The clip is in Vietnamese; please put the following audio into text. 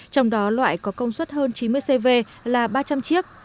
trong đó loại có công suất hơn chín mươi cv là ba trăm linh chiếc